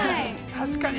確かに。